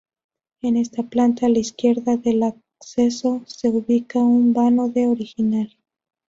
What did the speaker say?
En esta planta, a la izquierda del acceso se ubica un vano no original.